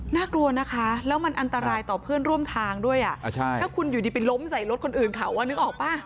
น่ากลัวนะคะแล้วมันอันตรายต่อเพื่อนร่วมทางด้วยถ้าคุณอยู่ดีไปล้มใส่รถคนอื่นเขานึกออกป่ะ